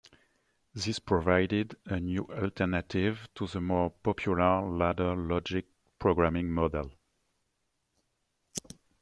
This provided a new alternative to the more popular ladder logic programming model.